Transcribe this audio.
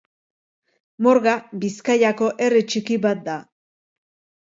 Morga Bizkaiako herri txiki bat da